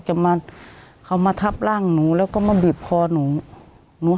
จะมาเอามาทับร่างหนูแล้วก็มาบีบคอหนูหนู